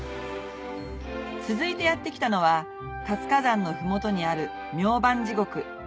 続いてやって来たのは活火山の麓にある明礬地獄